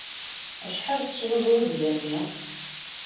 Acḥal teswa zrudya-nni?